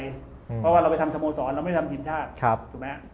เพราะว่าเราไปทำสโมสรเราไม่ได้ทำทีมชาติถูกไหมฮะ